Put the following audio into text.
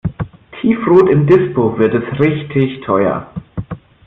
"Tiefrot im Dispo" wird es richtig teuer.